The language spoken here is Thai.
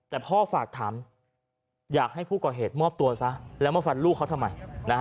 แต่พ่อฝากถามอยากให้ผู้ก่อเหตุมอบตัวซะแล้วมาฟันลูกเขาทำไม